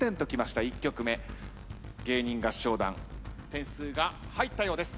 芸人合唱団点数が入ったようです。